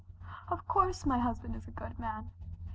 Of course, my husband is a good man.